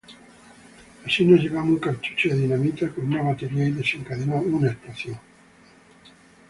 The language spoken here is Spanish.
Allí nos llevamos un cartucho de dinamita con una batería y desencadenó una explosión.